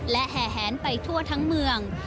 และแห่แหนไปทั่วทั้งเมือง